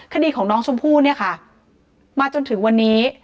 คดีของน้องชมพู่เนี่ยค่ะมาจนถึงวันนี้